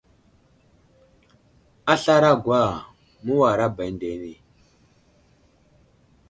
A slaray a gwa, məwara ba əndene.